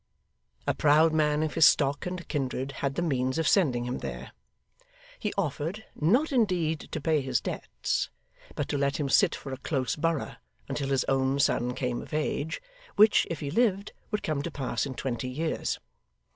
A proud man of his stock and kindred had the means of sending him there. He offered not indeed to pay his debts, but to let him sit for a close borough until his own son came of age, which, if he lived, would come to pass in twenty years.